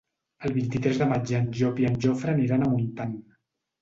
El vint-i-tres de maig en Llop i en Jofre aniran a Montant.